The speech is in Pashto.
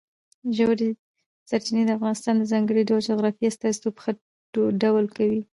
ژورې سرچینې د افغانستان د ځانګړي ډول جغرافیې استازیتوب په ښه ډول کوي.